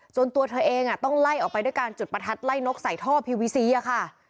ตัวเธอเองต้องไล่ออกไปด้วยการจุดประทัดไล่นกใส่ท่อพีวีซีอะค่ะ